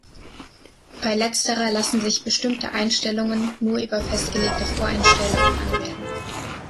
Bei letzterer lassen sich bestimmte Einstellungen nur über festgelegte Voreinstellungen anwählen.